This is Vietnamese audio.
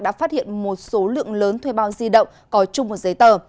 đã phát hiện một số lượng lớn thuê bao di động có chung một giấy tờ